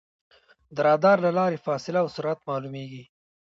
د رادار له لارې فاصله او سرعت معلومېږي.